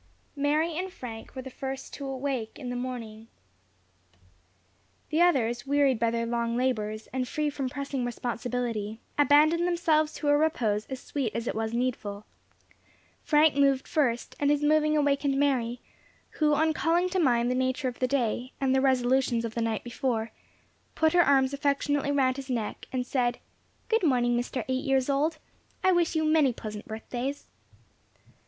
Mary and Frank were the first to awake in the morning. The others, wearied by their long labours, and free from pressing responsibility, abandoned themselves to a repose as sweet as it was needful. Frank moved first, and his moving awaked Mary, who, on calling to mind the nature of the day, and the resolutions of the night before, put her arms affectionately round his neck, and said, "Good morning, Mr. Eight years old; I wish you many pleasant birthdays."